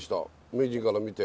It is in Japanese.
名人から見て。